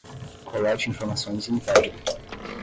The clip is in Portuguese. Colete informações e integre